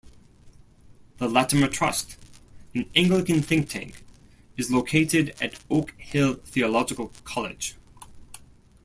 The Latimer Trust, an Anglican think tank, is located at Oak Hill Theological College.